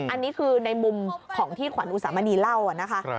อันนี้คือในมุมของที่ขวัญอุสามณีเล่านะคะ